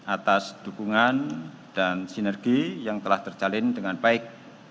atas dukungan dan sinergi yang telah terjalin dengan baik